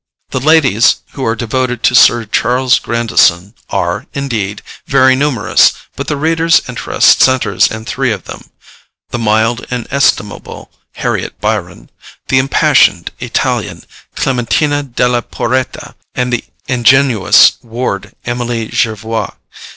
The ladies who are devoted to Sir Charles Grandison are, indeed, very numerous, but the reader's interest centres in three of them the mild and estimable Harriet Byron, the impassioned Italian Clementina della Porretta, and the ingenuous ward Emily Jervois.